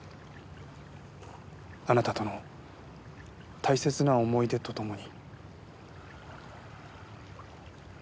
あなたとの大切な思い出とともに。